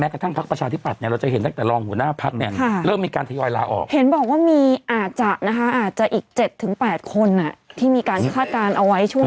ก็ต้องรอดูว่าจะมีใครประกาศว่าจะ